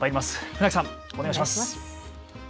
船木さん、お願いします。